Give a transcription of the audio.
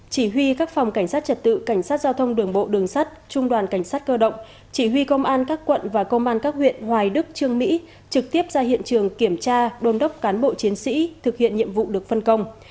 chỉ huy các phòng cảnh sát trật tự cảnh sát giao thông đường bộ đường sắt trung đoàn cảnh sát cơ động chỉ huy công an các quận và công an các huyện hoài đức trương mỹ trực tiếp ra hiện trường kiểm tra đôn đốc cán bộ chiến sĩ thực hiện nhiệm vụ được phân công